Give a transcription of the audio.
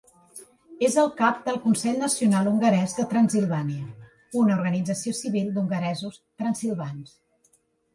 És el cap del Consell Nacional Hongarès de Transsilvània, una organització civil d'hongaresos transsilvans.